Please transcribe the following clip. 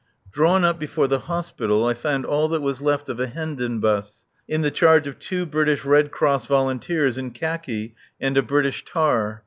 Drawn up before the Hospital I found all that was left of a Hendon bus, in the charge of two British Red Cross volunteers in khaki and a British tar.